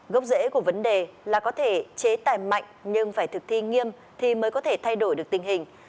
gốc rễ của vấn đề là có thể chế tài mạnh nhưng phải thực thi nghiêm thì mới có thể thay đổi được tình hình